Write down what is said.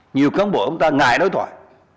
nhiều kháng bộ của chúng ta ngại đối thoại